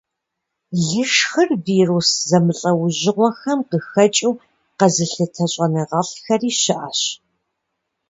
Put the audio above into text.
Лышхыр вирус зэмылӀэужьыгъуэхэм къыхэкӀыу къэзылъытэ щӀэныгъэлӀхэри щыӀэщ.